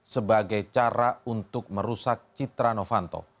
sebagai cara untuk merusak citra novanto